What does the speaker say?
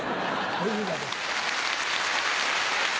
小遊三です。